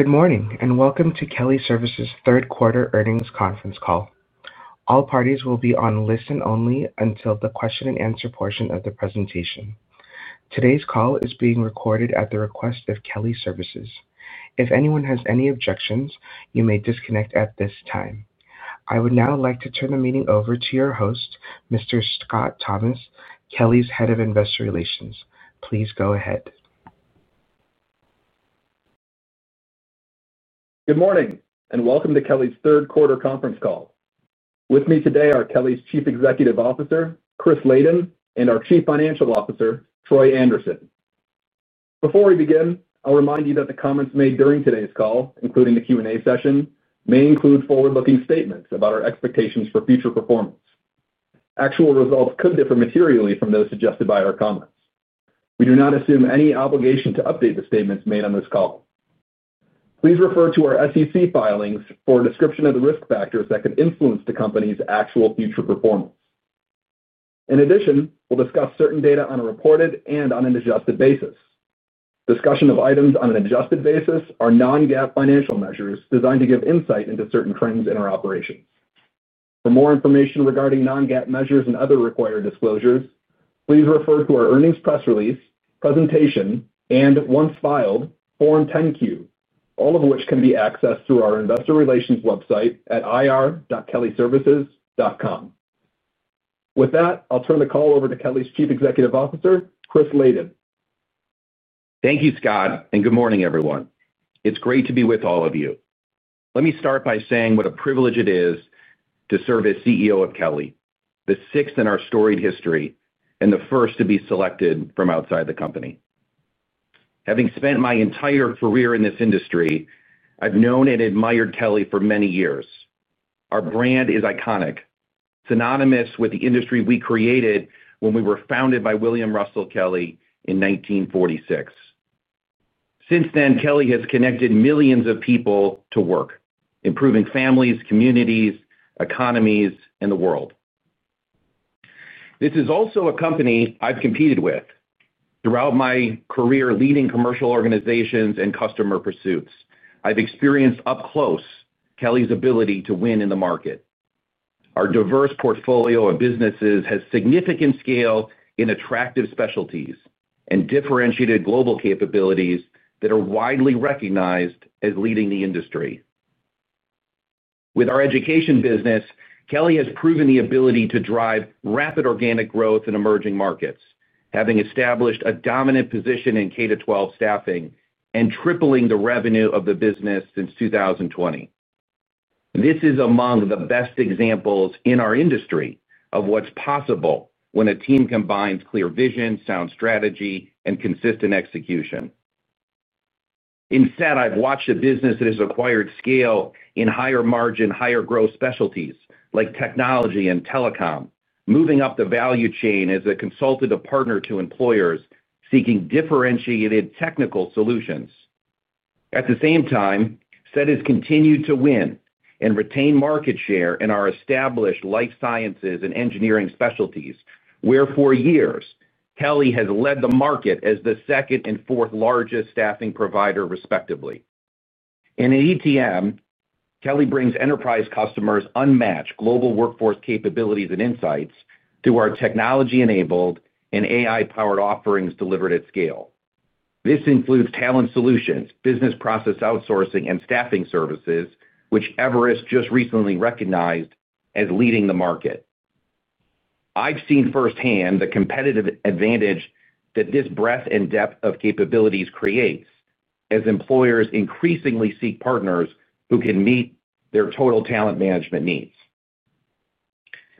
Good morning and welcome to Kelly Services' third quarter earnings conference call. All parties will be on listen only until the question and answer portion of the presentation. Today's call is being recorded at the request of Kelly Services. If anyone has any objections, you may disconnect at this time. I would now like to turn the meeting over to your host, Mr. Scott Thomas, Kelly's Head of Investor Relations. Please go ahead. Good morning and welcome to Kelly's third quarter conference call. With me today are Kelly's Chief Executive Officer, Chris Layden, and our Chief Financial Officer, Troy Anderson. Before we begin, I'll remind you that the comments made during today's call, including the Q&A session, may include forward-looking statements about our expectations for future performance. Actual results could differ materially from those suggested by our comments. We do not assume any obligation to update the statements made on this call. Please refer to our SEC filings for a description of the risk factors that could influence the company's actual future performance. In addition, we'll discuss certain data on a reported and on an adjusted basis. Discussion of items on an adjusted basis are non-GAAP financial measures designed to give insight into certain trends in our operations. For more information regarding non-GAAP measures and other required disclosures, please refer to our earnings press release, presentation, and once filed, Form 10-Q, all of which can be accessed through our investor relations website at ir.kellyservices.com. With that, I'll turn the call over to Kelly's Chief Executive Officer, Chris Layden. Thank you, Scott, and good morning, everyone. It's great to be with all of you. Let me start by saying what a privilege it is to serve as CEO of Kelly, the sixth in our storied history and the first to be selected from outside the company. Having spent my entire career in this industry, I've known and admired Kelly for many years. Our brand is iconic, synonymous with the industry we created when we were founded by William Russell Kelly in 1946. Since then, Kelly has connected millions of people to work, improving families, communities, economies, and the world. This is also a company I've competed with. Throughout my career leading commercial organizations and customer pursuits, I've experienced up close Kelly's ability to win in the market. Our diverse portfolio of businesses has significant scale in attractive specialties and differentiated global capabilities that are widely recognized as leading the industry. With our education business, Kelly has proven the ability to drive rapid organic growth in emerging markets, having established a dominant position in K-12 staffing and tripling the revenue of the business since 2020. This is among the best examples in our industry of what's possible when a team combines clear vision, sound strategy, and consistent execution. Instead, I've watched a business that has acquired scale in higher margin, higher growth specialties like technology and telecom, moving up the value chain as a consultant to partner to employers seeking differentiated technical solutions. At the same time, SET has continued to win and retain market share in our established life sciences and engineering specialties, where for years, Kelly has led the market as the second and fourth largest staffing provider, respectively. In ETM, Kelly brings enterprise customers unmatched global workforce capabilities and insights through our technology-enabled and AI-powered offerings delivered at scale. This includes talent solutions, business process outsourcing, and staffing services, which Everest just recently recognized as leading the market. I've seen firsthand the competitive advantage that this breadth and depth of capabilities creates as employers increasingly seek partners who can meet their total talent management needs.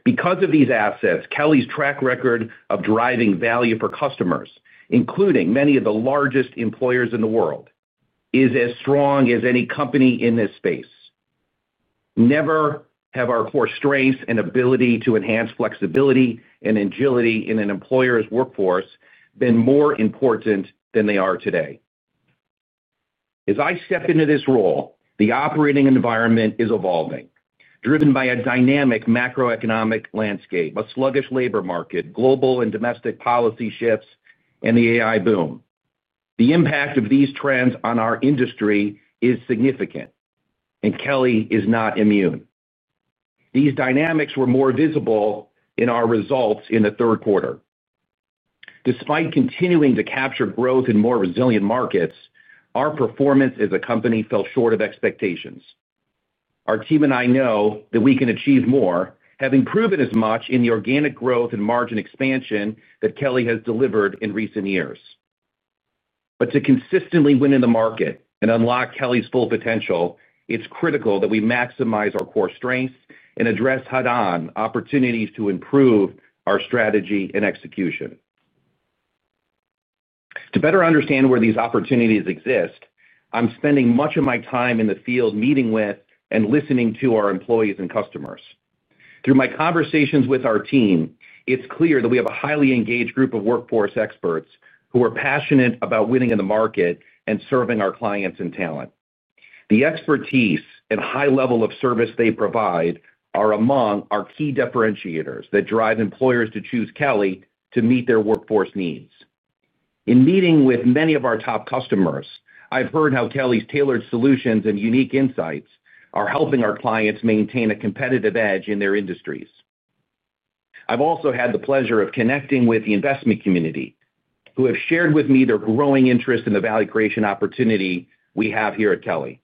Because of these assets, Kelly's track record of driving value for customers, including many of the largest employers in the world, is as strong as any company in this space. Never have our core strengths and ability to enhance flexibility and agility in an employer's workforce been more important than they are today. As I step into this role, the operating environment is evolving, driven by a dynamic macroeconomic landscape, a sluggish labor market, global and domestic policy shifts, and the AI boom. The impact of these trends on our industry is significant, and Kelly is not immune. These dynamics were more visible in our results in the third quarter. Despite continuing to capture growth in more resilient markets, our performance as a company fell short of expectations. Our team and I know that we can achieve more, having proven as much in the organic growth and margin expansion that Kelly has delivered in recent years. To consistently win in the market and unlock Kelly's full potential, it's critical that we maximize our core strengths and address head-on opportunities to improve our strategy and execution. To better understand where these opportunities exist, I'm spending much of my time in the field meeting with and listening to our employees and customers. Through my conversations with our team, it's clear that we have a highly engaged group of workforce experts who are passionate about winning in the market and serving our clients and talent. The expertise and high level of service they provide are among our key differentiators that drive employers to choose Kelly to meet their workforce needs. In meeting with many of our top customers, I've heard how Kelly's tailored solutions and unique insights are helping our clients maintain a competitive edge in their industries. I've also had the pleasure of connecting with the investment community, who have shared with me their growing interest in the value creation opportunity we have here at Kelly.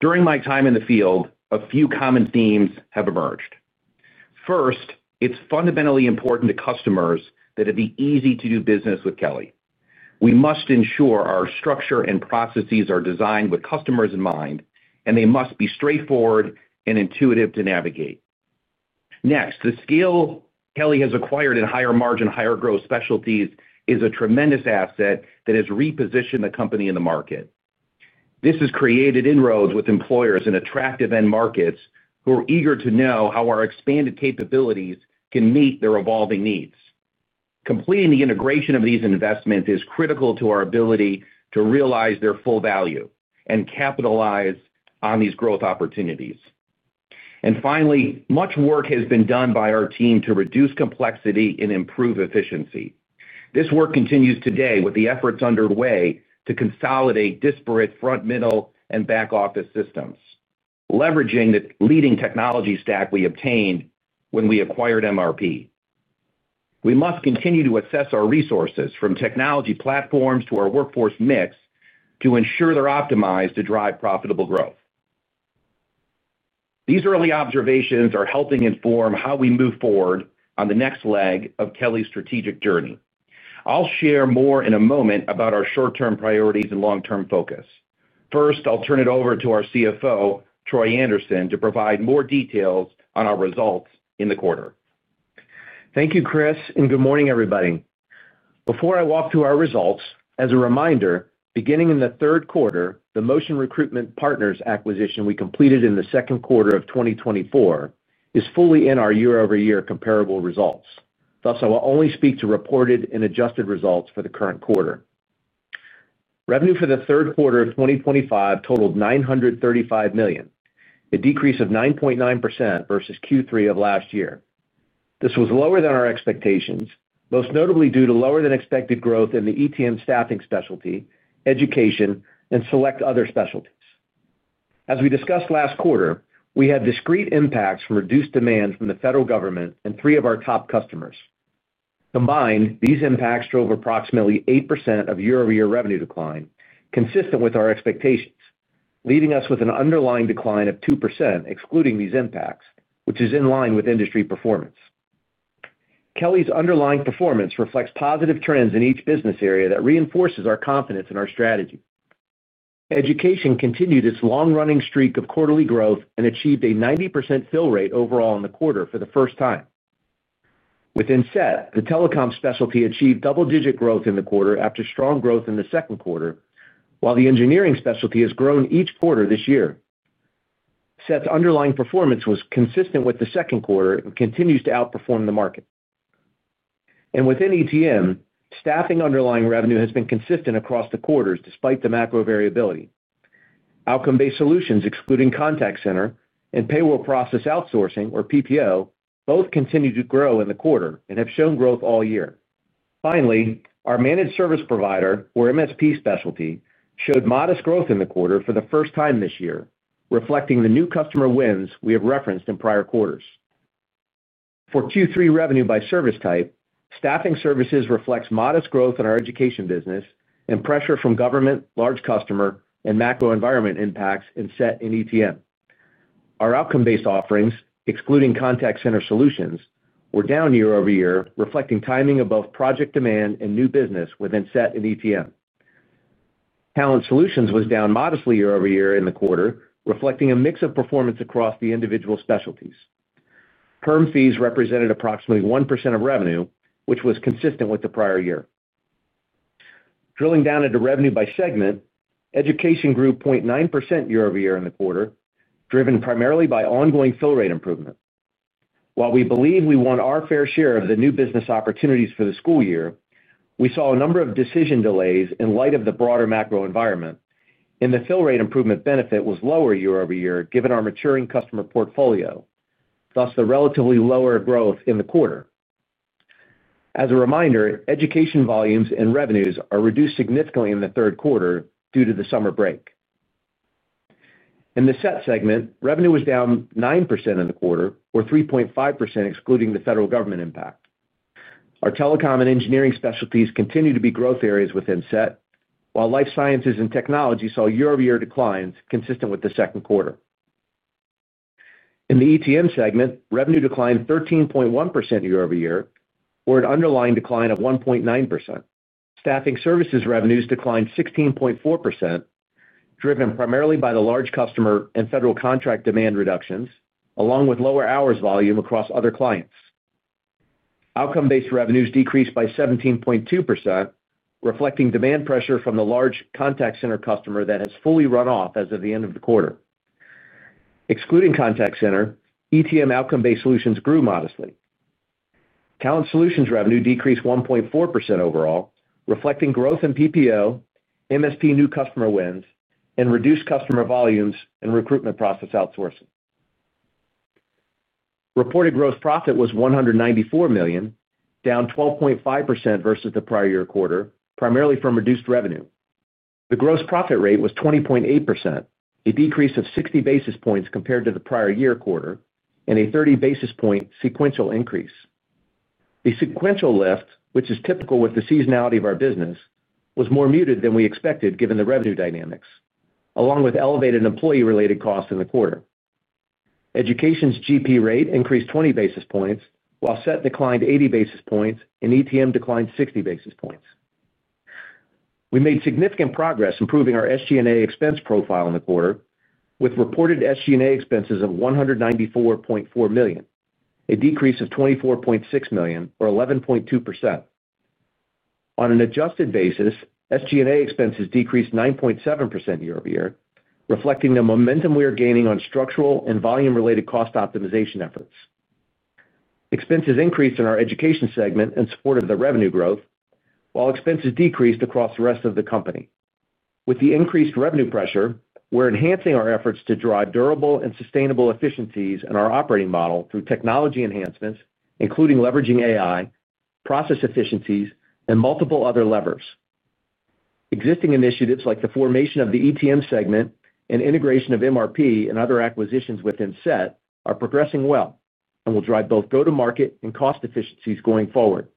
During my time in the field, a few common themes have emerged. First, it's fundamentally important to customers that it be easy to do business with Kelly. We must ensure our structure and processes are designed with customers in mind, and they must be straightforward and intuitive to navigate. Next, the skill Kelly has acquired in higher margin, higher growth specialties is a tremendous asset that has repositioned the company in the market. This has created inroads with employers in attractive end markets who are eager to know how our expanded capabilities can meet their evolving needs. Completing the integration of these investments is critical to our ability to realize their full value and capitalize on these growth opportunities. Much work has been done by our team to reduce complexity and improve efficiency. This work continues today with the efforts underway to consolidate disparate front, middle, and back office systems, leveraging the leading technology stack we obtained when we acquired MRP. We must continue to assess our resources, from technology platforms to our workforce mix, to ensure they're optimized to drive profitable growth. These early observations are helping inform how we move forward on the next leg of Kelly's strategic journey. I'll share more in a moment about our short-term priorities and long-term focus. First, I'll turn it over to our CFO, Troy Anderson, to provide more details on our results in the quarter. Thank you, Chris, and good morning, everybody. Before I walk through our results, as a reminder, beginning in the third quarter, the Motion Recruitment Partners acquisition we completed in the second quarter of 2024 is fully in our year-over-year comparable results. Thus, I will only speak to reported and adjusted results for the current quarter. Revenue for the third quarter of 2025 totaled $935 million, a decrease of 9.9% versus Q3 of last year. This was lower than our expectations, most notably due to lower-than-expected growth in the ETM staffing specialty, education, and select other specialties. As we discussed last quarter, we had discrete impacts from reduced demand from the federal government and three of our top customers. Combined, these impacts drove approximately 8% of year-over-year revenue decline, consistent with our expectations, leaving us with an underlying decline of 2% excluding these impacts, which is in line with industry performance. Kelly's underlying performance reflects positive trends in each business area that reinforces our confidence in our strategy. Education continued its long-running streak of quarterly growth and achieved a 90% fill rate overall in the quarter for the first time. Within SET, the telecom specialty achieved double-digit growth in the quarter after strong growth in the second quarter, while the engineering specialty has grown each quarter this year. SET's underlying performance was consistent with the second quarter and continues to outperform the market. Within ETM, staffing underlying revenue has been consistent across the quarters despite the macro variability. Outcome-based solutions, excluding contact center and Payroll Process Outsourcing, or PPO, both continue to grow in the quarter and have shown growth all year. Finally, our managed service provider, or MSP specialty, showed modest growth in the quarter for the first time this year, reflecting the new customer wins we have referenced in prior quarters. For Q3 revenue by service type, staffing services reflects modest growth in our education business and pressure from government, large customer, and macro environment impacts in SET and ETM. Our outcome-based offerings, excluding contact center solutions, were down year-over-year, reflecting timing of both project demand and new business within SET and ETM. Talent solutions was down modestly year-over-year in the quarter, reflecting a mix of performance across the individual specialties. Perm fees represented approximately 1% of revenue, which was consistent with the prior year. Drilling down into revenue by segment, education grew 0.9% year-over-year in the quarter, driven primarily by ongoing fill rate improvement. While we believe we want our fair share of the new business opportunities for the school year, we saw a number of decision delays in light of the broader macro environment, and the fill rate improvement benefit was lower year-over-year given our maturing customer portfolio, thus the relatively lower growth in the quarter. As a reminder, education volumes and revenues are reduced significantly in the third quarter due to the summer break. In the SET segment, revenue was down 9% in the quarter, or 3.5% excluding the federal government impact. Our telecom and engineering specialties continue to be growth areas within SET, while life sciences and technology saw year-over-year declines consistent with the second quarter. In the ETM segment, revenue declined 13.1% year-over-year, or an underlying decline of 1.9%. Staffing services revenues declined 16.4%. Driven primarily by the large customer and federal contract demand reductions, along with lower hours volume across other clients. Outcome-based revenues decreased by 17.2%, reflecting demand pressure from the large contact center customer that has fully run off as of the end of the quarter. Excluding contact center, ETM outcome-based solutions grew modestly. Talent solutions revenue decreased 1.4% overall, reflecting growth in PPO, MSP new customer wins, and reduced customer volumes and recruitment process outsourcing. Reported gross profit was $194 million, down 12.5% versus the prior year quarter, primarily from reduced revenue. The gross profit rate was 20.8%, a decrease of 60 basis points compared to the prior year quarter, and a 30 basis point sequential increase. The sequential lift, which is typical with the seasonality of our business, was more muted than we expected given the revenue dynamics, along with elevated employee-related costs in the quarter. Education's GP rate increased 20 basis points, while SET declined 80 basis points, and ETM declined 60 basis points. We made significant progress improving our SG&A expense profile in the quarter, with reported SG&A expenses of $194.4 million, a decrease of $24.6 million, or 11.2%. On an adjusted basis, SG&A expenses decreased 9.7% year-over-year, reflecting the momentum we are gaining on structural and volume-related cost optimization efforts. Expenses increased in our education segment in support of the revenue growth, while expenses decreased across the rest of the company. With the increased revenue pressure, we're enhancing our efforts to drive durable and sustainable efficiencies in our operating model through technology enhancements, including leveraging AI, process efficiencies, and multiple other levers. Existing initiatives like the formation of the ETM segment and integration of MRP and other acquisitions within SET are progressing well and will drive both go-to-market and cost efficiencies going forward.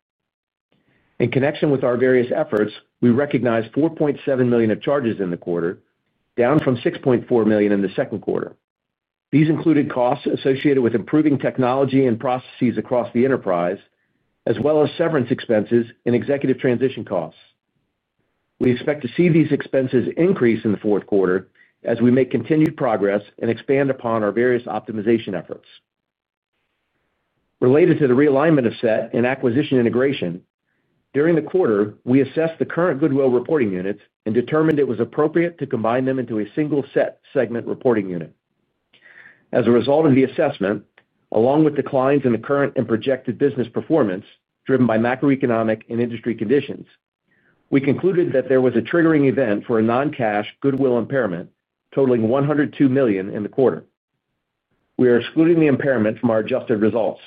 In connection with our various efforts, we recognized $4.7 million of charges in the quarter, down from $6.4 million in the second quarter. These included costs associated with improving technology and processes across the enterprise, as well as severance expenses and executive transition costs. We expect to see these expenses increase in the fourth quarter as we make continued progress and expand upon our various optimization efforts. Related to the realignment of SET and acquisition integration, during the quarter, we assessed the current Goodwill Reporting Unit and determined it was appropriate to combine them into a single SET segment reporting unit. As a result of the assessment, along with declines in the current and projected business performance driven by macroeconomic and industry conditions, we concluded that there was a triggering event for a non-cash Goodwill impairment totaling $102 million in the quarter. We are excluding the impairment from our adjusted results.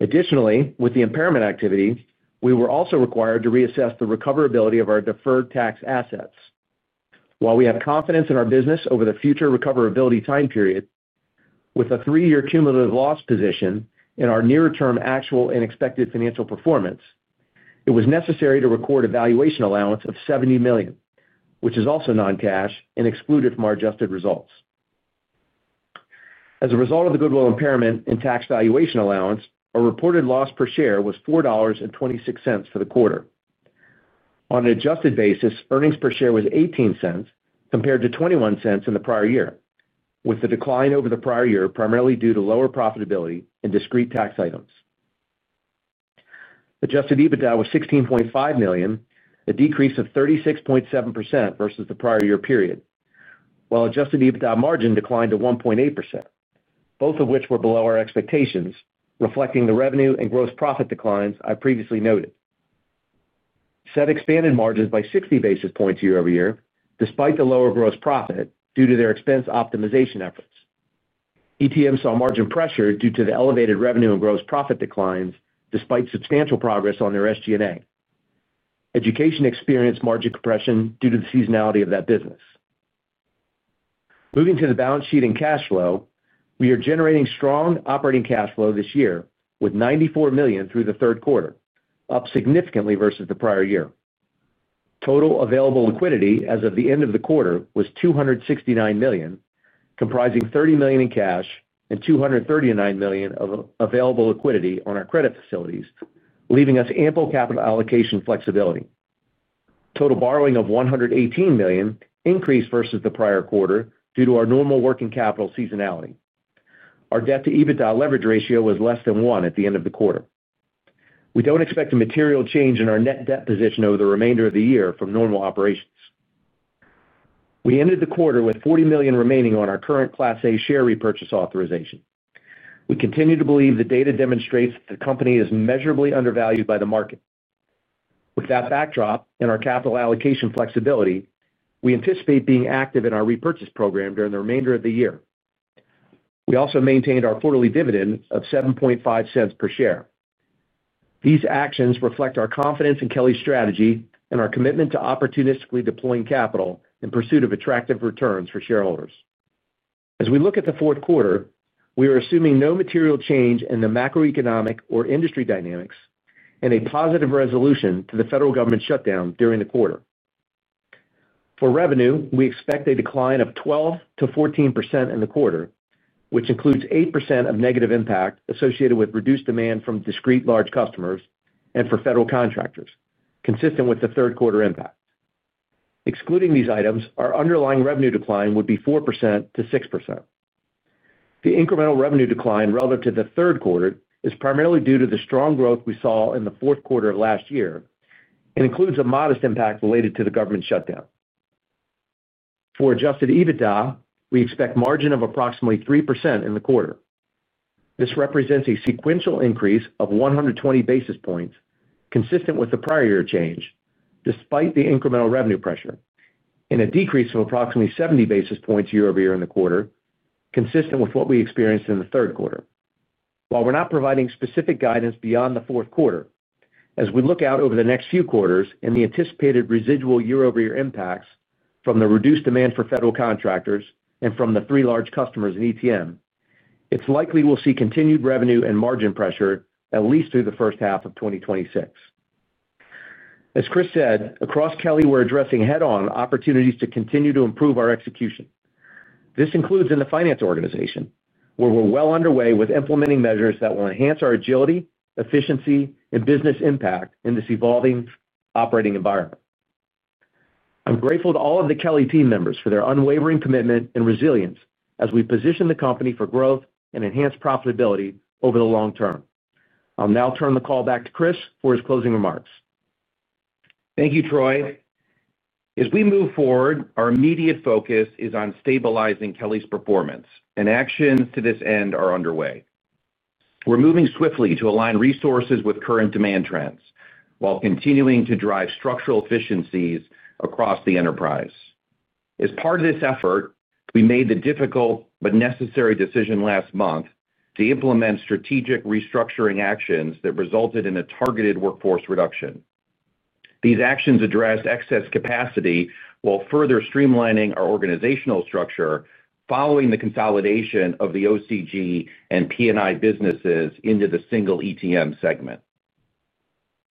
Additionally, with the impairment activity, we were also required to reassess the recoverability of our deferred tax assets. While we have confidence in our business over the future recoverability time period, with a three-year cumulative loss position in our near-term actual and expected financial performance, it was necessary to record a valuation allowance of $70 million, which is also non-cash and excluded from our adjusted results. As a result of the Goodwill impairment and tax valuation allowance, our reported loss per share was $4.26 for the quarter. On an adjusted basis, earnings per share was $0.18 compared to $0.21 in the prior year, with the decline over the prior year primarily due to lower profitability and discrete tax items. Adjusted EBITDA was $16.5 million, a decrease of 36.7% versus the prior year period. While adjusted EBITDA margin declined to 1.8%, both of which were below our expectations, reflecting the revenue and gross profit declines I previously noted. SET expanded margins by 60 basis points year-over-year, despite the lower gross profit due to their expense optimization efforts. ETM saw margin pressure due to the elevated revenue and gross profit declines, despite substantial progress on their SG&A. Education experienced margin compression due to the seasonality of that business. Moving to the balance sheet and cash flow, we are generating strong operating cash flow this year with $94 million through the third quarter, up significantly versus the prior year. Total available liquidity as of the end of the quarter was $269 million, comprising $30 million in cash and $239 million of available liquidity on our credit facilities, leaving us ample capital allocation flexibility. Total borrowing of $118 million increased versus the prior quarter due to our normal working capital seasonality. Our debt-to-EBITDA leverage ratio was less than 1 at the end of the quarter. We don't expect a material change in our net debt position over the remainder of the year from normal operations. We ended the quarter with $40 million remaining on our current Class A share repurchase authorization. We continue to believe the data demonstrates that the company is measurably undervalued by the market. With that backdrop and our capital allocation flexibility, we anticipate being active in our repurchase program during the remainder of the year. We also maintained our quarterly dividend of $0.075 per share. These actions reflect our confidence in Kelly's strategy and our commitment to opportunistically deploying capital in pursuit of attractive returns for shareholders. As we look at the fourth quarter, we are assuming no material change in the macroeconomic or industry dynamics and a positive resolution to the federal government shutdown during the quarter. For revenue, we expect a decline of 12%-14% in the quarter, which includes 8% of negative impact associated with reduced demand from discrete large customers and for federal contractors, consistent with the third quarter impact. Excluding these items, our underlying revenue decline would be 4%-6%. The incremental revenue decline relative to the third quarter is primarily due to the strong growth we saw in the fourth quarter of last year and includes a modest impact related to the government shutdown. For adjusted EBITDA, we expect margin of approximately 3% in the quarter. This represents a sequential increase of 120 basis points consistent with the prior year change, despite the incremental revenue pressure, and a decrease of approximately 70 basis points year-over-year in the quarter, consistent with what we experienced in the third quarter. While we're not providing specific guidance beyond the fourth quarter, as we look out over the next few quarters and the anticipated residual year-over-year impacts from the reduced demand for federal contractors and from the three large customers in ETM, it's likely we'll see continued revenue and margin pressure, at least through the first half of 2026. As Chris said, across Kelly, we're addressing head-on opportunities to continue to improve our execution. This includes in the finance organization, where we're well underway with implementing measures that will enhance our agility, efficiency, and business impact in this evolving operating environment. I'm grateful to all of the Kelly team members for their unwavering commitment and resilience as we position the company for growth and enhanced profitability over the long term. I'll now turn the call back to Chris for his closing remarks. Thank you, Troy. As we move forward, our immediate focus is on stabilizing Kelly's performance, and actions to this end are underway. We're moving swiftly to align resources with current demand trends while continuing to drive structural efficiencies across the enterprise. As part of this effort, we made the difficult but necessary decision last month to implement strategic restructuring actions that resulted in a targeted workforce reduction. These actions addressed excess capacity while further streamlining our organizational structure following the consolidation of the OCG and P&I businesses into the single ETM segment.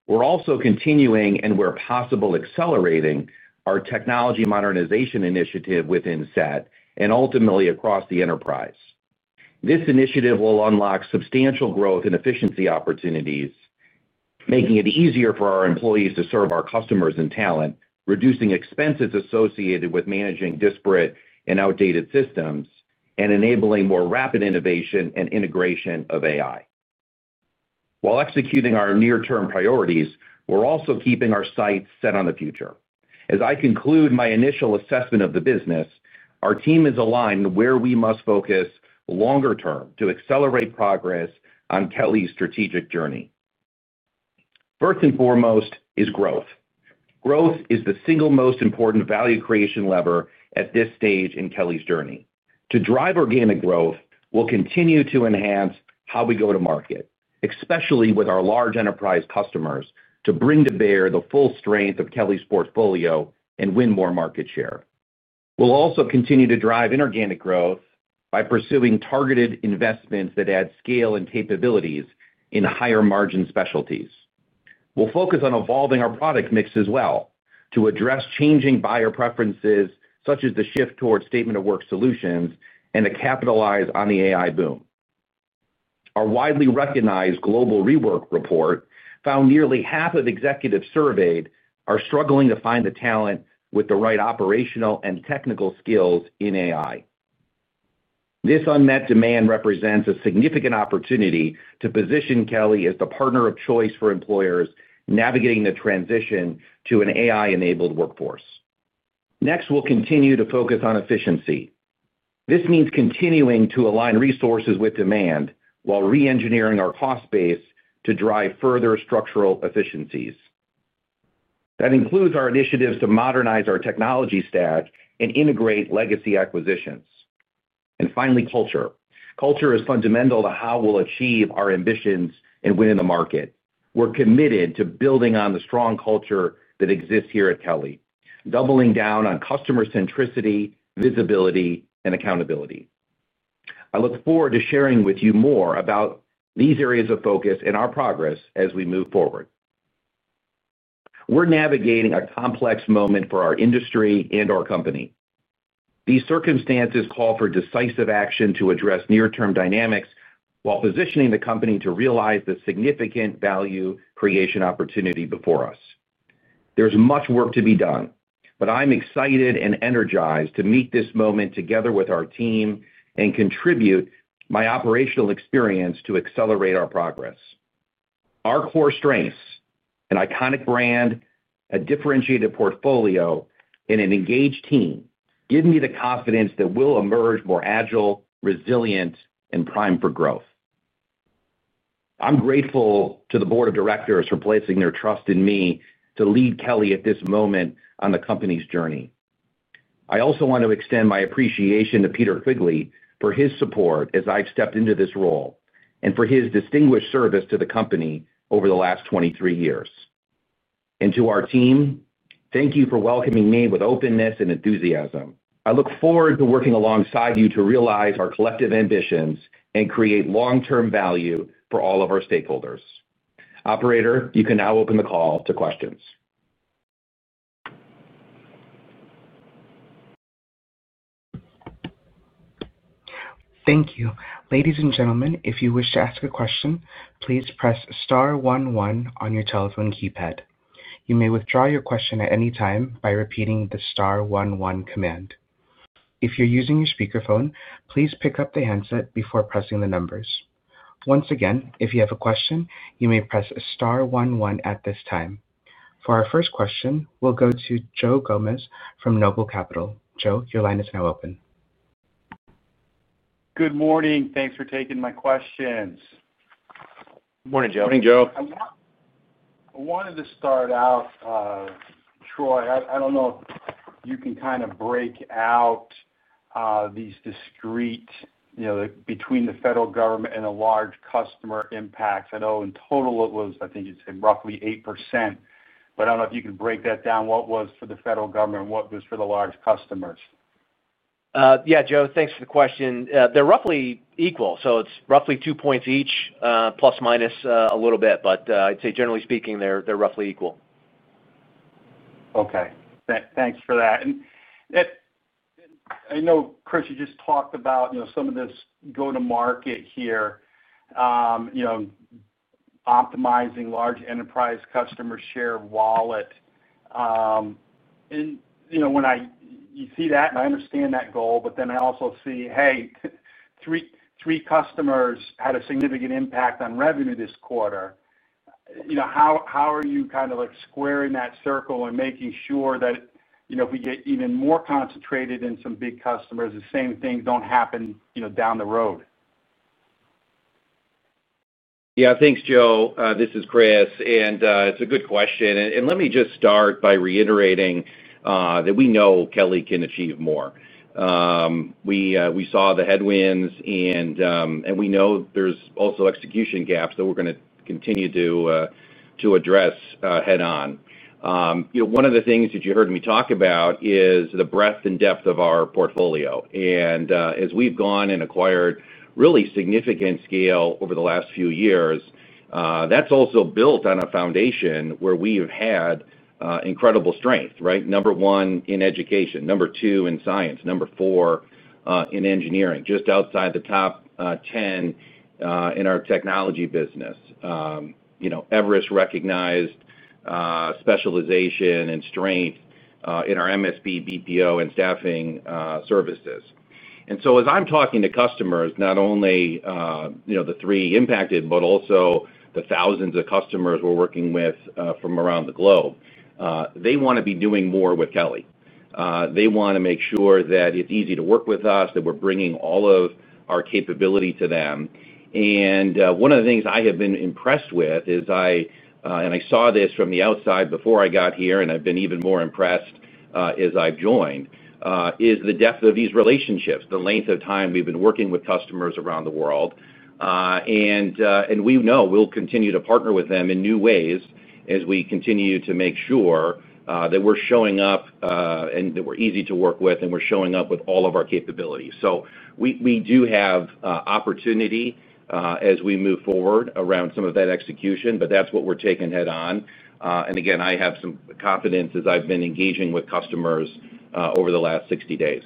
We're also continuing and, where possible, accelerating our technology modernization initiative within SET and ultimately across the enterprise. This initiative will unlock substantial growth and efficiency opportunities, making it easier for our employees to serve our customers and talent, reducing expenses associated with managing disparate and outdated systems, and enabling more rapid innovation and integration of AI. While executing our near-term priorities, we're also keeping our sights set on the future. As I conclude my initial assessment of the business, our team is aligned where we must focus longer term to accelerate progress on Kelly's strategic journey. First and foremost is growth. Growth is the single most important value creation lever at this stage in Kelly's journey. To drive organic growth, we'll continue to enhance how we go to market, especially with our large enterprise customers, to bring to bear the full strength of Kelly's portfolio and win more market share. We'll also continue to drive inorganic growth by pursuing targeted investments that add scale and capabilities in higher margin specialties. We'll focus on evolving our product mix as well to address changing buyer preferences, such as the shift toward statement-of-work solutions and to capitalize on the AI boom. Our widely recognized Global Rework report found nearly half of executives surveyed are struggling to find the talent with the right operational and technical skills in AI. This unmet demand represents a significant opportunity to position Kelly as the partner of choice for employers navigating the transition to an AI-enabled workforce. Next, we'll continue to focus on efficiency. This means continuing to align resources with demand while re-engineering our cost base to drive further structural efficiencies. That includes our initiatives to modernize our technology stack and integrate legacy acquisitions. Finally, culture. Culture is fundamental to how we'll achieve our ambitions and win in the market. We're committed to building on the strong culture that exists here at Kelly, doubling down on customer centricity, visibility, and accountability. I look forward to sharing with you more about these areas of focus and our progress as we move forward. We're navigating a complex moment for our industry and our company. These circumstances call for decisive action to address near-term dynamics while positioning the company to realize the significant value creation opportunity before us. There's much work to be done, but I'm excited and energized to meet this moment together with our team and contribute my operational experience to accelerate our progress. Our core strengths: an iconic brand, a differentiated portfolio, and an engaged team give me the confidence that we'll emerge more agile, resilient, and primed for growth. I'm grateful to the board of directors for placing their trust in me to lead Kelly at this moment on the company's journey. I also want to extend my appreciation to Peter Quigley for his support as I've stepped into this role and for his distinguished service to the company over the last 23 years. And to our team, thank you for welcoming me with openness and enthusiasm. I look forward to working alongside you to realize our collective ambitions and create long-term value for all of our stakeholders. Operator, you can now open the call to questions. Thank you. Ladies and gentlemen, if you wish to ask a question, please press star one one on your telephone keypad. You may withdraw your question at any time by repeating the star one one command. If you're using your speakerphone, please pick up the handset before pressing the numbers. Once again, if you have a question, you may press star one one at this time. For our first question, we'll go to Joe Gomes from Noble Capital. Joe, your line is now open. Good morning. Thanks for taking my questions. Good morning, Joe. Morning, Joe. I wanted to start out. Troy, I don't know if you can kind of break out these discrete between the federal government and a large customer impacts. I know in total it was, I think you'd say, roughly 8%, but I don't know if you can break that down. What was for the federal government and what was for the large customers? Yeah, Joe, thanks for the question. They're roughly equal. So it's roughly two points each, plus minus a little bit, but I'd say, generally speaking, they're roughly equal. Okay. Thanks for that. I know Chris, you just talked about some of this go-to-market here. Optimizing large enterprise customer share wallet. You see that, and I understand that goal, but then I also see, hey. Three customers had a significant impact on revenue this quarter. How are you kind of squaring that circle and making sure that if we get even more concentrated in some big customers, the same things don't happen down the road? Yeah, thanks, Joe. This is Chris, and it's a good question. Let me just start by reiterating that we know Kelly can achieve more. We saw the headwinds, and we know there's also execution gaps that we're going to continue to address head-on. One of the things that you heard me talk about is the breadth and depth of our portfolio. As we've gone and acquired really significant scale over the last few years, that's also built on a foundation where we have had incredible strength, right? Number one in education, number two in science, number four in engineering, just outside the top 10 in our technology business. Everest-recognized specialization and strength in our MSP, BPO, and staffing services. As I'm talking to customers, not only the three impacted, but also the thousands of customers we're working with from around the globe, they want to be doing more with Kelly. They want to make sure that it's easy to work with us, that we're bringing all of our capability to them. One of the things I have been impressed with, and I saw this from the outside before I got here, and I've been even more impressed as I've joined, is the depth of these relationships, the length of time we've been working with customers around the world. We know we'll continue to partner with them in new ways as we continue to make sure that we're showing up. That we're easy to work with, and we're showing up with all of our capabilities. We do have opportunity as we move forward around some of that execution, but that's what we're taking head-on. I have some confidence as I've been engaging with customers over the last 60 days.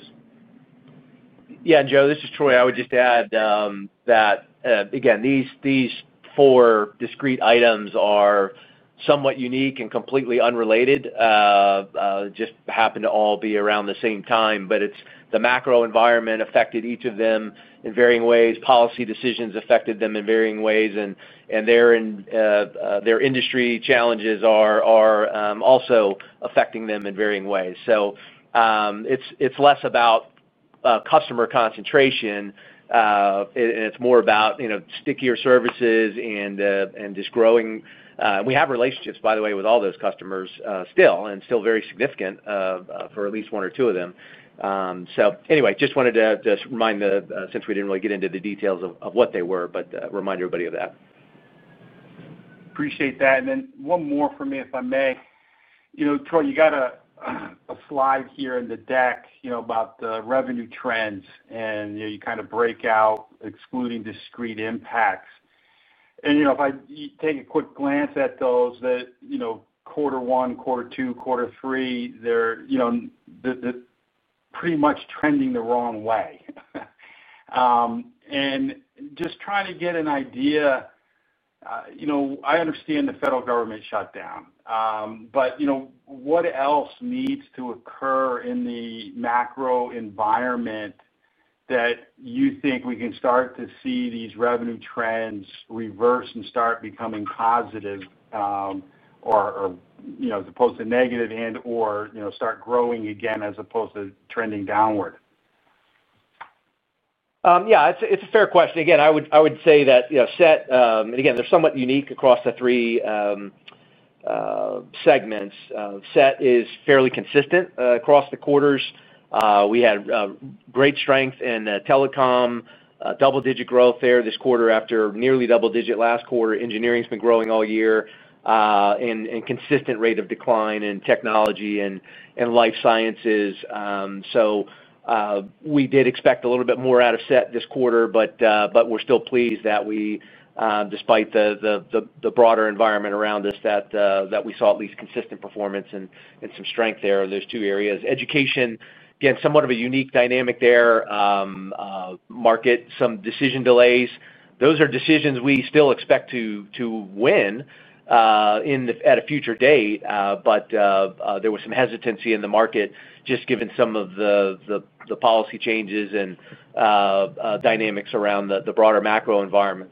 Yeah, Joe, this is Troy. I would just add that these four discrete items are somewhat unique and completely unrelated. They just happened to all be around the same time, but the macro environment affected each of them in varying ways. Policy decisions affected them in varying ways, and their industry challenges are also affecting them in varying ways. It is less about customer concentration and more about stickier services and just growing. We have relationships, by the way, with all those customers still, and still very significant for at least one or two of them. Anyway, just wanted to remind, since we did not really get into the details of what they were, but remind everybody of that. Appreciate that. One more for me, if I may. Troy, you got a slide here in the deck about the revenue trends, and you kind of break out excluding discrete impacts. If I take a quick glance at those, the quarter one, quarter two, quarter three, they are pretty much trending the wrong way. Just trying to get an idea. I understand the federal government shut down. What else needs to occur in the macro environment that you think we can start to see these revenue trends reverse and start becoming positive, as opposed to negative, and/or start growing again as opposed to trending downward? Yeah, it is a fair question. Again, I would say that SET, and again, they're somewhat unique across the three segments. SET is fairly consistent across the quarters. We had great strength in telecom, double-digit growth there this quarter after nearly double-digit last quarter. Engineering's been growing all year, and consistent rate of decline in technology and life sciences. We did expect a little bit more out of SET this quarter, but we're still pleased that, despite the broader environment around us, we saw at least consistent performance and some strength there in those two areas. Education, again, somewhat of a unique dynamic there. Market, some decision delays. Those are decisions we still expect to win at a future date, but there was some hesitancy in the market just given some of the policy changes and dynamics around the broader macro environment.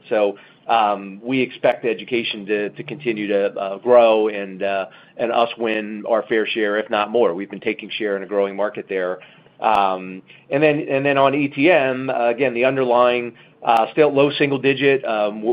We expect education to continue to grow and us win our fair share, if not more. We've been taking share in a growing market there. On ETM, again, the underlying still low single digit.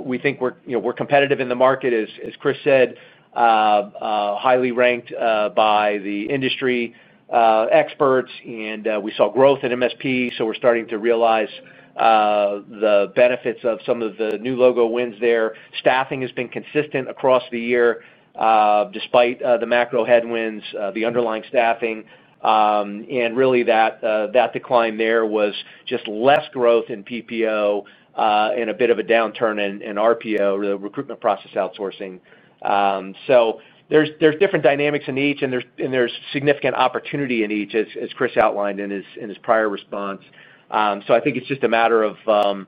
We think we're competitive in the market, as Chris said. Highly ranked by the industry experts, and we saw growth in MSP, so we're starting to realize the benefits of some of the new logo wins there. Staffing has been consistent across the year. Despite the macro headwinds, the underlying staffing, and really, that decline there was just less growth in PPO and a bit of a downturn in RPO, the recruitment process outsourcing. There's different dynamics in each, and there's significant opportunity in each, as Chris outlined in his prior response. I think it's just a matter of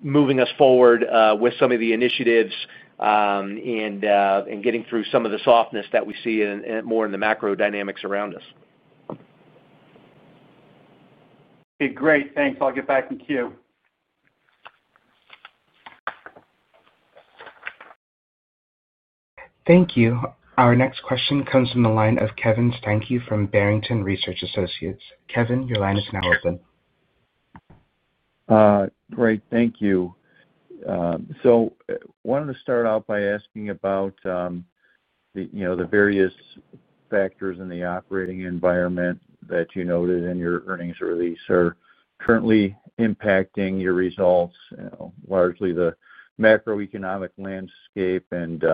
moving us forward with some of the initiatives. Getting through some of the softness that we see more in the macro dynamics around us. Okay, great. Thanks. I'll get back in queue. Thank you. Our next question comes from the line of Kevin Steinke from Barrington Research Associates. Kevin, your line is now open. Great. Thank you. I wanted to start out by asking about the various factors in the operating environment that you noted in your earnings release are currently impacting your results, largely the macroeconomic landscape and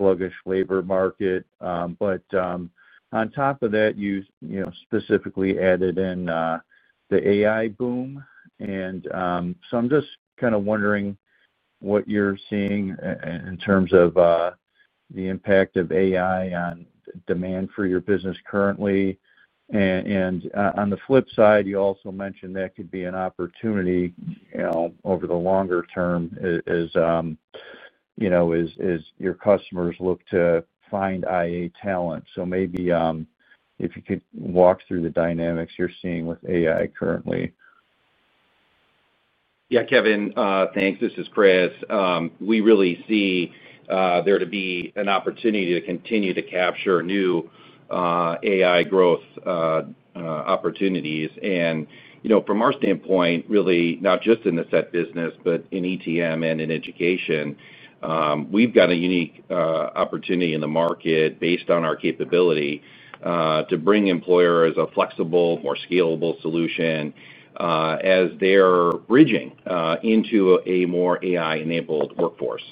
sluggish labor market. On top of that, you specifically added in the AI boom. I'm just kind of wondering what you're seeing in terms of the impact of AI on demand for your business currently. On the flip side, you also mentioned that could be an opportunity over the longer term as your customers look to find AI talent. Maybe if you could walk through the dynamics you're seeing with AI currently. Yeah, Kevin, thanks. This is Chris. We really see there to be an opportunity to continue to capture new AI growth opportunities. And from our standpoint, really, not just in the SET business, but in ETM and in education. We've got a unique opportunity in the market based on our capability to bring employers a flexible, more scalable solution as they're bridging into a more AI-enabled workforce.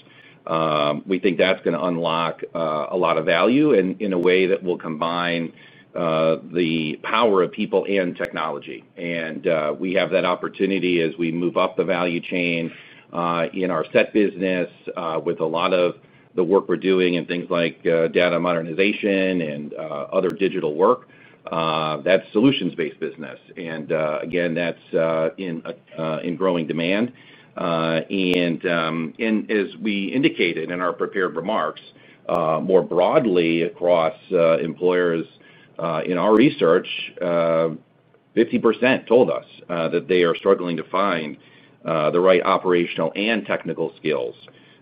We think that's going to unlock a lot of value in a way that will combine the power of people and technology. And we have that opportunity as we move up the value chain in our SET business with a lot of the work we're doing and things like data modernization and other digital work. That's solutions-based business. And again, that's in growing demand. As we indicated in our prepared remarks, more broadly across employers in our research, 50% told us that they are struggling to find the right operational and technical skills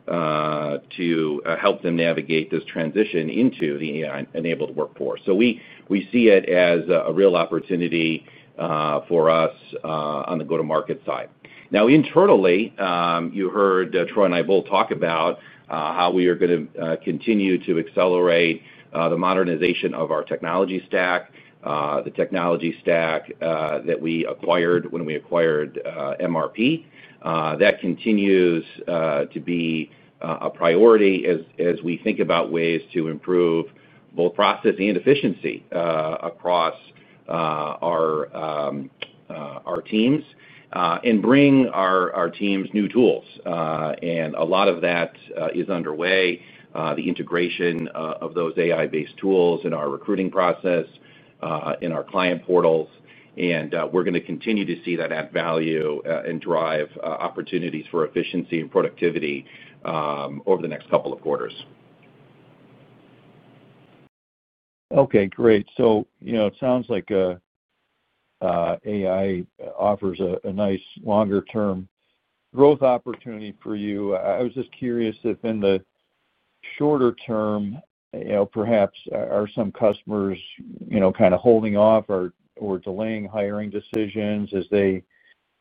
to help them navigate this transition into the AI-enabled workforce. We see it as a real opportunity for us on the go-to-market side. Internally, you heard Troy and I both talk about how we are going to continue to accelerate the modernization of our technology stack, the technology stack that we acquired when we acquired MRP. That continues to be a priority as we think about ways to improve both processing and efficiency across our teams and bring our teams new tools. A lot of that is underway, the integration of those AI-based tools in our recruiting process, in our client portals. We're going to continue to see that add value and drive opportunities for efficiency and productivity over the next couple of quarters. Okay, great. It sounds like AI offers a nice longer-term growth opportunity for you. I was just curious if in the shorter term, perhaps are some customers kind of holding off or delaying hiring decisions as they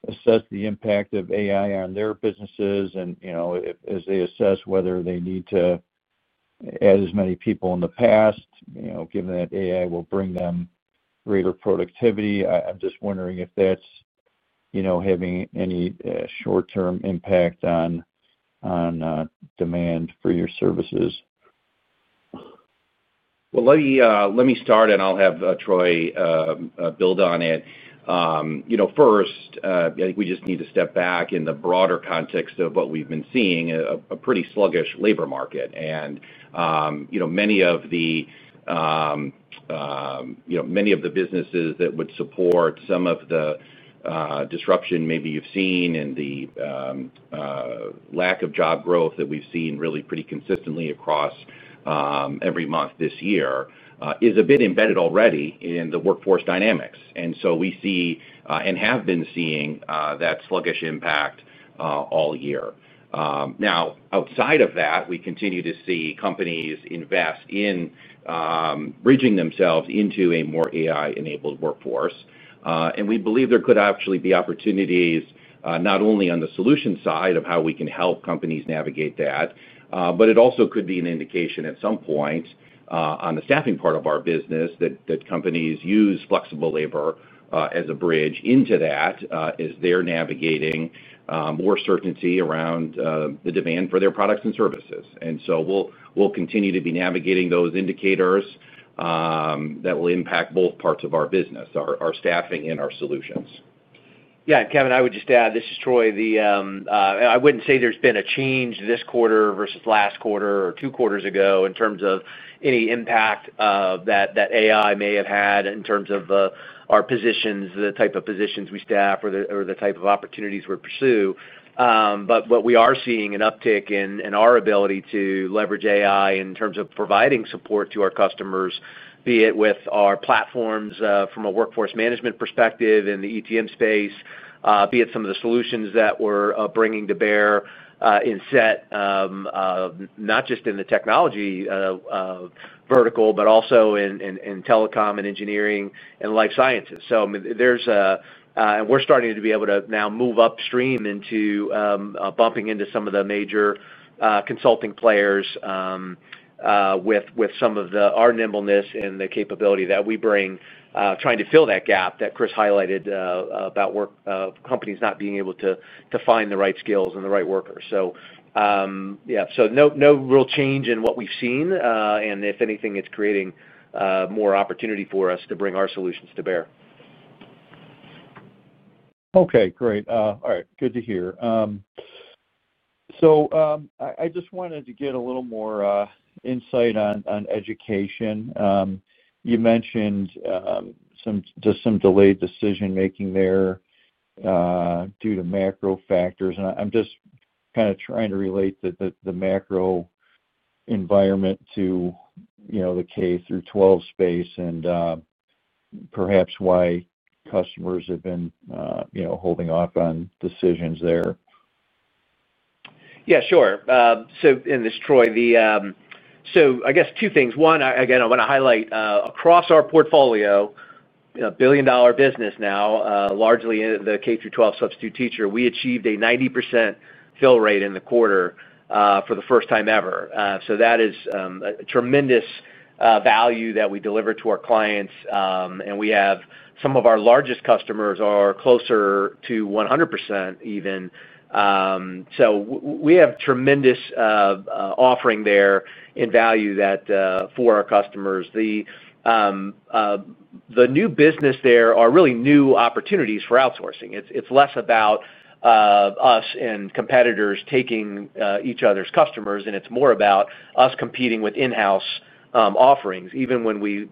assess the impact of AI on their businesses and as they assess whether they need to add as many people as in the past, given that AI will bring them greater productivity. I'm just wondering if that's having any short-term impact on demand for your services. Let me start, and I'll have Troy build on it. First, I think we just need to step back in the broader context of what we've been seeing, a pretty sluggish labor market. Many of the businesses that would support some of the disruption maybe you've seen and the lack of job growth that we've seen really pretty consistently across every month this year is a bit embedded already in the workforce dynamics. We see and have been seeing that sluggish impact all year. Now, outside of that, we continue to see companies invest in bridging themselves into a more AI-enabled workforce. We believe there could actually be opportunities not only on the solution side of how we can help companies navigate that, but it also could be an indication at some point on the staffing part of our business that companies use flexible labor as a bridge into that as they're navigating more certainty around the demand for their products and services. We will continue to be navigating those indicators. That will impact both parts of our business, our staffing and our solutions. Yeah, Kevin, I would just add, this is Troy. I wouldn't say there's been a change this quarter versus last quarter or two quarters ago in terms of any impact that AI may have had in terms of our positions, the type of positions we staff, or the type of opportunities we pursue. What we are seeing is an uptick in our ability to leverage AI in terms of providing support to our customers, be it with our platforms from a workforce management perspective in the ETM space, be it some of the solutions that we're bringing to bear in SET. Not just in the technology vertical, but also in telecom and engineering and life sciences. We are starting to be able to now move upstream into bumping into some of the major. Consulting players. With some of our nimbleness and the capability that we bring, trying to fill that gap that Chris highlighted about companies not being able to find the right skills and the right workers. Yeah, so no real change in what we've seen. If anything, it's creating more opportunity for us to bring our solutions to bear. Okay, great. All right. Good to hear. I just wanted to get a little more insight on education. You mentioned just some delayed decision-making there due to macro factors. I'm just kind of trying to relate the macro environment to the K-12 space and perhaps why customers have been holding off on decisions there. Yeah, sure. In this, Troy, the, so I guess two things. One, again, I want to highlight across our portfolio. A billion-dollar business now, largely in the K-12 substitute teacher, we achieved a 90% fill rate in the quarter for the first time ever. That is a tremendous value that we deliver to our clients. We have some of our largest customers closer to 100% even. We have tremendous offering there in value for our customers. The new business there are really new opportunities for outsourcing. It is less about us and competitors taking each other's customers, and it is more about us competing with in-house offerings. Even when we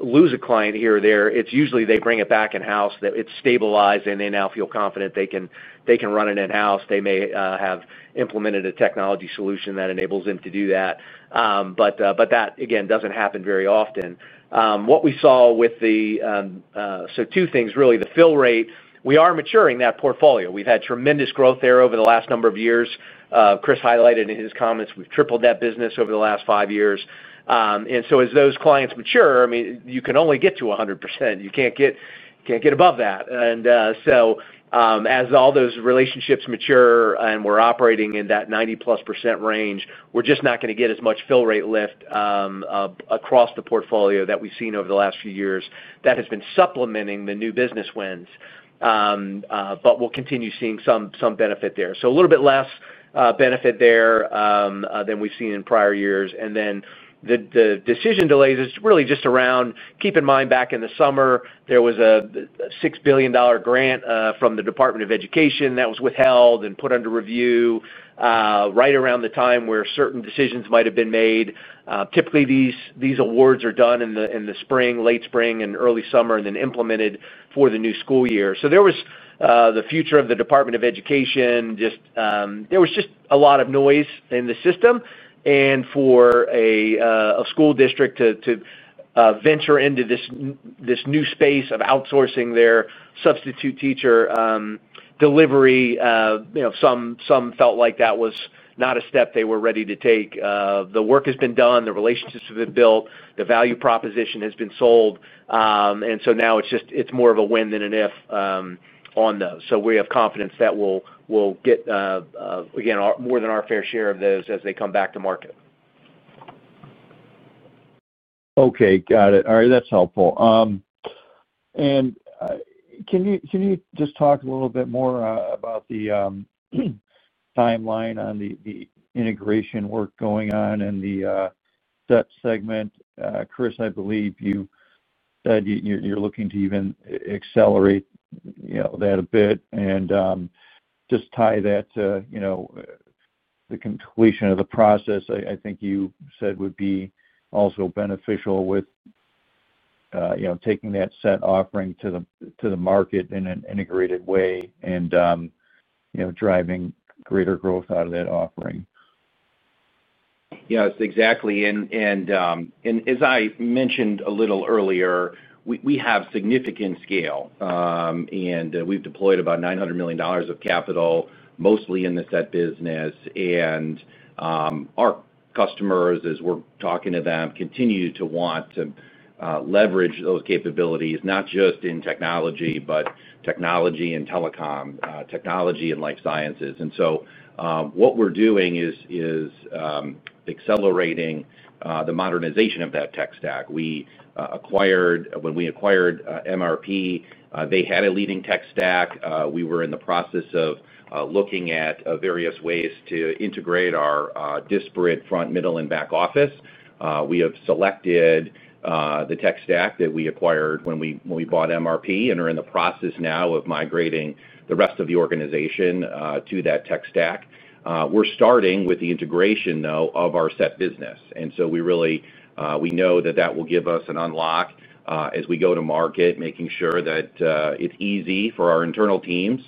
lose a client here or there, it is usually they bring it back in-house. It is stabilized, and they now feel confident they can run it in-house. They may have implemented a technology solution that enables them to do that. That, again, does not happen very often. What we saw with the—so two things, really. The fill rate, we are maturing that portfolio. We've had tremendous growth there over the last number of years. Chris highlighted in his comments we've tripled that business over the last five years. As those clients mature, I mean, you can only get to 100%. You can't get above that. As all those relationships mature and we're operating in that 90%+ range, we're just not going to get as much fill rate lift across the portfolio that we've seen over the last few years that has been supplementing the new business wins. We'll continue seeing some benefit there. A little bit less benefit there than we've seen in prior years. And then the decision delays is really just around keep in mind back in the summer, there was a $6 billion grant from the Department of Education that was withheld and put under review. Right around the time where certain decisions might have been made. Typically, these awards are done in the spring, late spring, and early summer, and then implemented for the new school year. There was the future of the Department of Education. There was just a lot of noise in the system. For a school district to venture into this new space of outsourcing their substitute teacher delivery, some felt like that was not a step they were ready to take. The work has been done. The relationships have been built. The value proposition has been sold. Now it's more of a win than an if on those. We have confidence that we'll get, again, more than our fair share of those as they come back to market. Okay. Got it. All right. That's helpful. Can you just talk a little bit more about the timeline on the integration work going on in the SET segment? Chris, I believe you said you're looking to even accelerate that a bit and just tie that to the completion of the process. I think you said it would be also beneficial with taking that SET offering to the market in an integrated way and driving greater growth out of that offering. Yeah, that's exactly right. As I mentioned a little earlier, we have significant scale and we've deployed about $900 million of capital, mostly in the SET business. And our customers, as we're talking to them, continue to want to leverage those capabilities, not just in technology, but technology and telecom, technology and life sciences. What we're doing is accelerating the modernization of that tech stack. When we acquired MRP, they had a leading tech stack. We were in the process of looking at various ways to integrate our disparate front, middle, and back office. We have selected the tech stack that we acquired when we bought MRP and are in the process now of migrating the rest of the organization to that tech stack. We're starting with the integration, though, of our SET business. We know that that will give us an unlock as we go to market, making sure that it's easy for our internal teams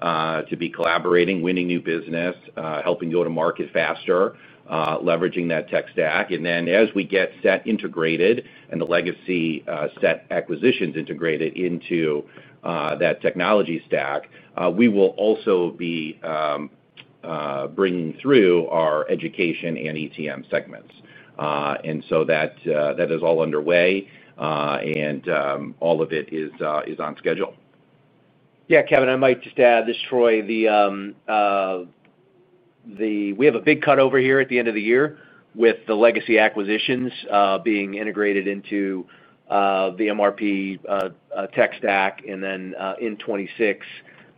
to be collaborating, winning new business, helping go to market faster, leveraging that tech stack. As we get SET integrated and the legacy SET acquisitions integrated into that technology stack, we will also be bringing through our education and ETM segments. That is all underway, and all of it is on schedule. Yeah, Kevin, I might just add this, Troy. We have a big cutover here at the end of the year with the legacy acquisitions being integrated into the MRP tech stack. In 2026,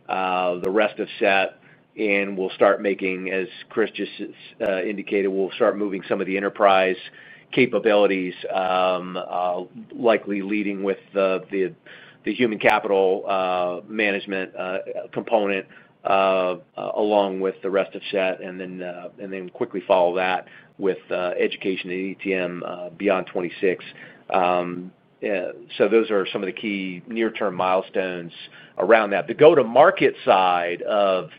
the rest of SET, and we will start making, as Chris just indicated, we will start moving some of the enterprise capabilities, likely leading with the human capital management component along with the rest of SET, and then quickly follow that with education and ETM beyond 2026. Those are some of the key near-term milestones around that. The go-to-market side of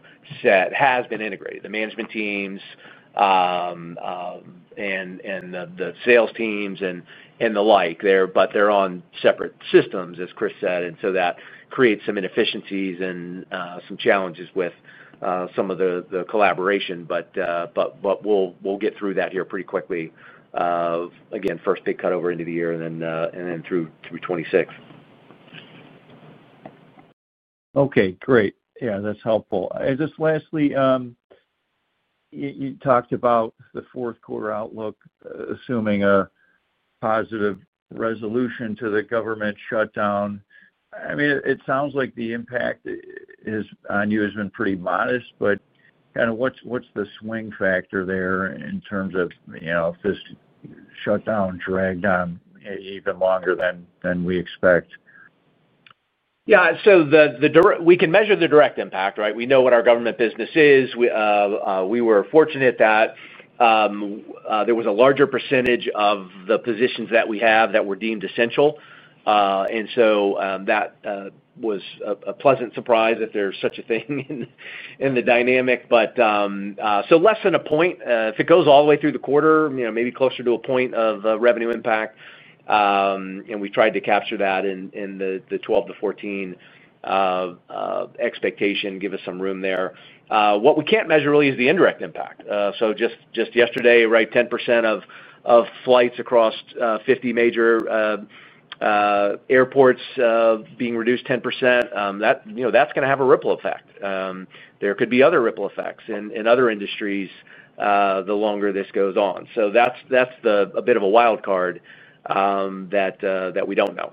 SET has been integrated. The management teams. The sales teams and the like there, but they're on separate systems, as Chris said. That creates some inefficiencies and some challenges with some of the collaboration. We'll get through that here pretty quickly. Again, first big cutover into the year and then through 2026. Okay, great. Yeah, that's helpful. Just lastly, you talked about the fourth quarter outlook, assuming a positive resolution to the government shutdown. I mean, it sounds like the impact on you has been pretty modest, but kind of what's the swing factor there in terms of if this shutdown dragged on even longer than we expect? Yeah. We can measure the direct impact, right? We know what our government business is. We were fortunate that there was a larger percentage of the positions that we have that were deemed essential. That was a pleasant surprise if there's such a thing in the dynamic. Less than a point. If it goes all the way through the quarter, maybe closer to a point of revenue impact. We tried to capture that in the 12%-14% expectation, give us some room there. What we can't measure really is the indirect impact. Just yesterday, right, 10% of flights across 50 major airports being reduced 10%. That's going to have a ripple effect. There could be other ripple effects in other industries the longer this goes on. That's a bit of a wild card that we don't know.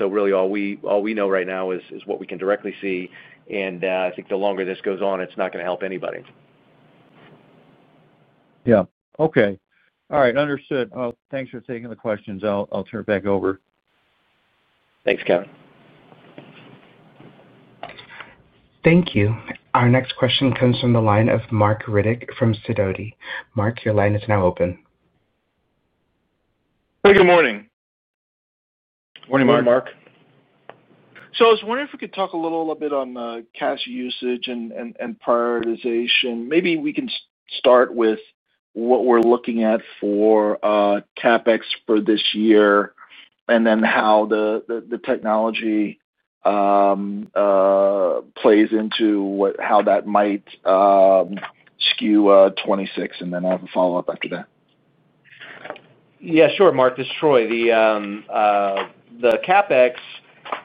Really, all we know right now is what we can directly see. I think the longer this goes on, it's not going to help anybody. Yeah. Okay. All right. Understood. Thanks for taking the questions. I'll turn it back over. Thanks, Kevin. Thank you. Our next question comes from the line of Marc Riddick from Sidoti. Mark, your line is now open. Good morning. Morning, Marc. Morning, Marc. I was wondering if we could talk a little bit on cash usage and prioritization. Maybe we can start with what we're looking at for CapEx for this year and then how the technology plays into how that might skew 2026. I have a follow-up after that. Yeah, sure, Marc. This is Troy. The CapEx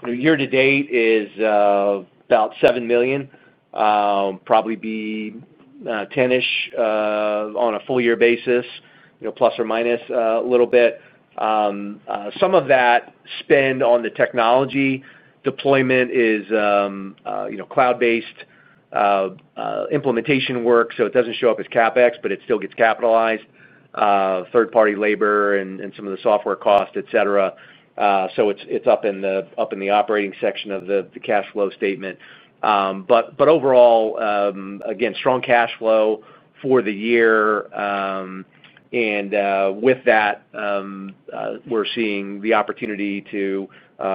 year to date is about $7 million. Probably be $10 million-ish on a full-year basis, plus or minus a little bit. Some of that spend on the technology deployment is cloud-based implementation work, so it doesn't show up as CapEx, but it still gets capitalized. Third-party labor and some of the software costs, etc. It's up in the operating section of the cash flow statement. Overall, again, strong cash flow for the year. With that, we're seeing the opportunity to,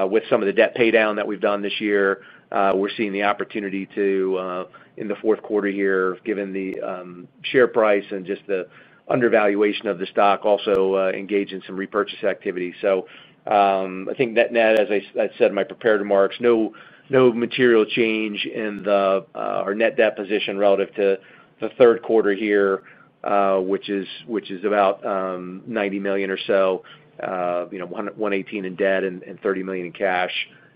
with some of the debt paydown that we've done this year, we're seeing the opportunity to, in the fourth quarter here, given the share price and just the undervaluation of the stock, also engage in some repurchase activity. I think net net, as I said in my prepared remarks, no material change in our net debt position relative to the third quarter here, which is about $90 million or so, $118 million in debt and $30 million in cash.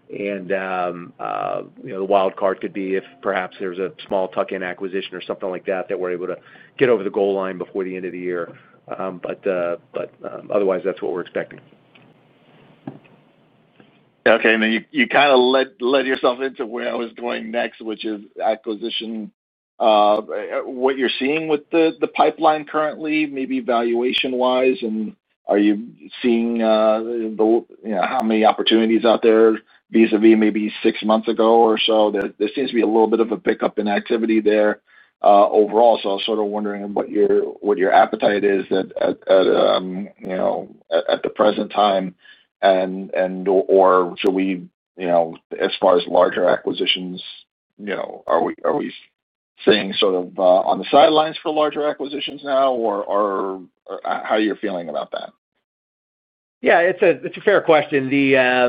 The wild card could be if perhaps there's a small tuck-in acquisition or something like that that we're able to get over the goal line before the end of the year. Otherwise, that's what we're expecting. Okay. You kind of led yourself into where I was going next, which is acquisition. What you're seeing with the pipeline currently, maybe valuation-wise, and are you seeing how many opportunities out there vis-à-vis maybe six months ago or so? There seems to be a little bit of a pickup in activity there overall. I was sort of wondering what your appetite is at the present time. Or should we, as far as larger acquisitions, are we staying sort of on the sidelines for larger acquisitions now, or how are you feeling about that? Yeah, it's a fair question. I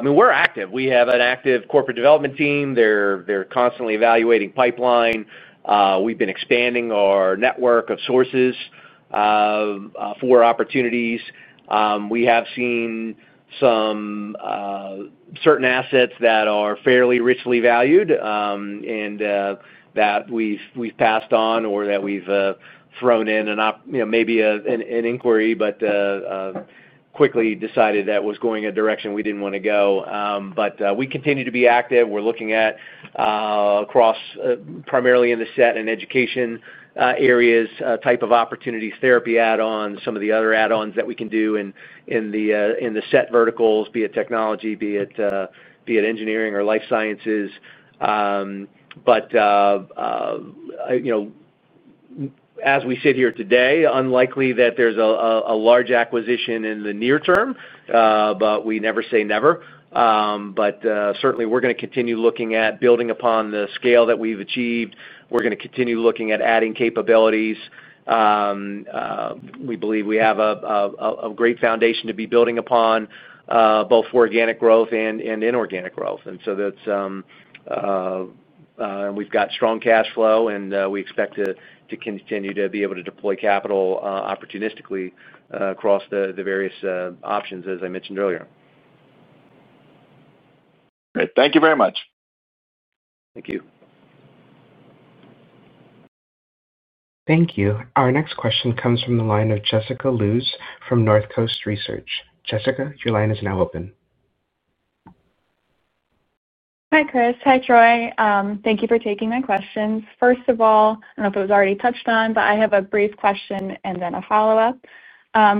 mean, we're active. We have an active corporate development team. They're constantly evaluating pipeline. We've been expanding our network of sources for opportunities. We have seen some certain assets that are fairly richly valued and that we've passed on or that we've thrown in maybe an inquiry, but quickly decided that was going a direction we didn't want to go. We continue to be active. We're looking at, across primarily in the SET and education areas, type of opportunities, therapy add-ons, some of the other add-ons that we can do in the SET verticals, be it technology, be it engineering, or life sciences. As we sit here today, unlikely that there's a large acquisition in the near term, we never say never. Certainly, we're going to continue looking at building upon the scale that we've achieved. We're going to continue looking at adding capabilities. We believe we have a great foundation to be building upon, both for organic growth and inorganic growth. We've got strong cash flow, and we expect to continue to be able to deploy capital opportunistically across the various options, as I mentioned earlier. Great. Thank you very much. Thank you. Thank you. Our next question comes from the line of Jessica Luce from Northcoast Research. Jessica, your line is now open. Hi, Chris. Hi, Troy. Thank you for taking my questions. First of all, I don't know if it was already touched on, but I have a brief question and then a follow-up.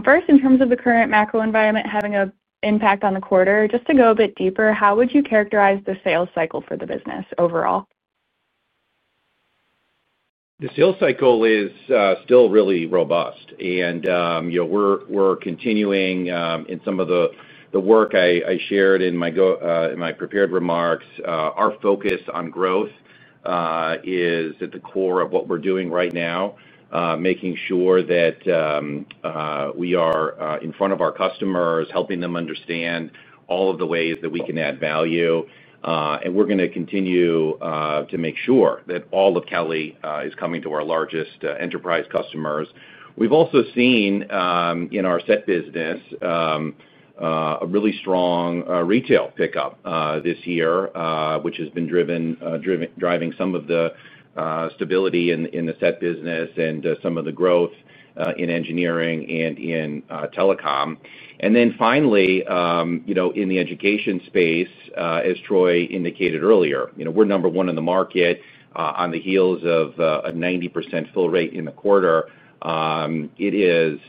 First, in terms of the current macro environment having an impact on the quarter, just to go a bit deeper, how would you characterize the sales cycle for the business overall? The sales cycle is still really robust. We're continuing in some of the work I shared in my prepared remarks. Our focus on growth. Is at the core of what we're doing right now, making sure that we are in front of our customers, helping them understand all of the ways that we can add value. We are going to continue to make sure that all of Kelly is coming to our largest enterprise customers. We've also seen in our SET business a really strong retail pickup this year, which has been driven by some of the stability in the SET business and some of the growth in engineering and in telecom. Finally, in the education space, as Troy indicated earlier, we're number one in the market on the heels of a 90% fill rate in the quarter. It is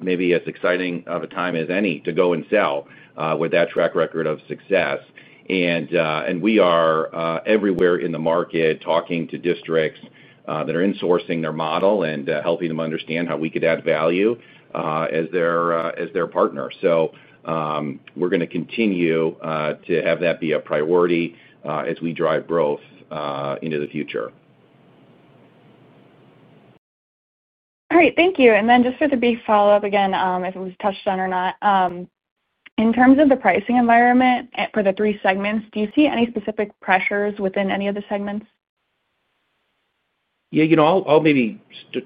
maybe as exciting of a time as any to go and sell with that track record of success. We are everywhere in the market talking to districts that are insourcing their model and helping them understand how we could add value as their partner. We are going to continue to have that be a priority as we drive growth into the future. All right. Thank you. And then just for the brief follow-up again, if it was touched on or not. In terms of the pricing environment for the three segments, do you see any specific pressures within any of the segments? Yeah. I'll maybe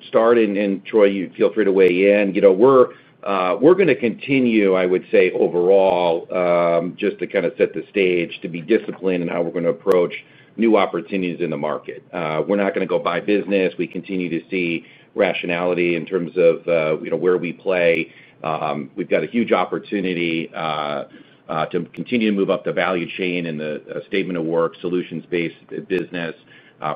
start, and Troy, you feel free to weigh in. We are going to continue, I would say, overall. Just to kind of set the stage to be disciplined in how we are going to approach new opportunities in the market. We are not going to go by business. We continue to see rationality in terms of where we play. We have got a huge opportunity to continue to move up the value chain in the statement of work solutions-based business,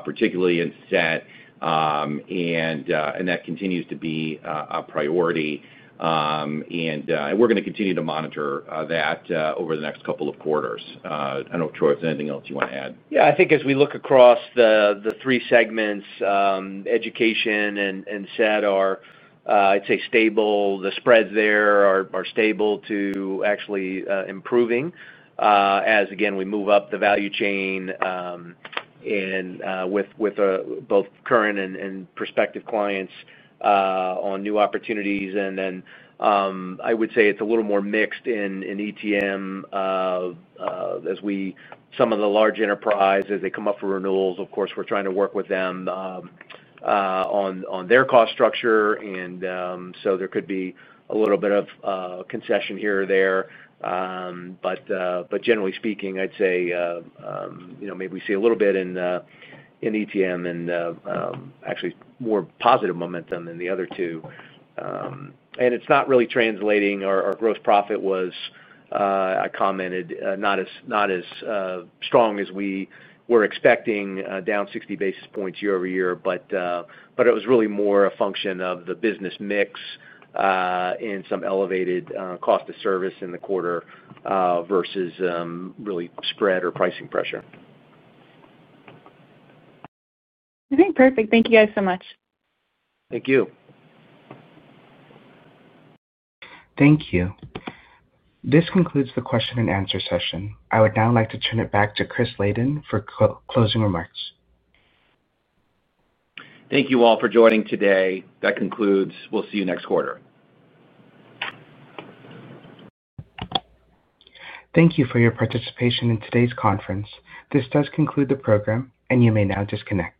particularly in SET. That continues to be a priority. We are going to continue to monitor that over the next couple of quarters. I do not know if Troy has anything else you want to add. Yeah. I think as we look across the three segments, education and SET are, I would say, stable. The spreads there are stable to actually improving, as, again, we move up the value chain with both current and prospective clients on new opportunities. I would say it is a little more mixed in ETM, as some of the large enterprises come up for renewals. Of course, we are trying to work with them on their cost structure, and so there could be a little bit of concession here or there. Generally speaking, I would say maybe we see a little bit in ETM and actually more positive momentum than the other two. It is not really translating. Our gross profit was, I commented, not as strong as we were expecting, down 60 basis points year-over-year. It was really more a function of the business mix and some elevated cost of service in the quarter versus really spread or pricing pressure. I think perfect. Thank you guys so much. Thank you. Thank you. This concludes the question-and-answer session. I would now like to turn it back to Chris Layden for closing remarks. Thank you all for joining today. That concludes. We will see you next quarter. Thank you for your participation in today's conference. This does conclude the program, and you may now disconnect.